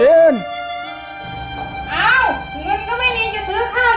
เงินก็ไม่มี